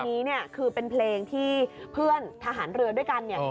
นี้เนี่ยคือเป็นเพลงที่เพื่อนทหารเรือด้วยกันเนี่ย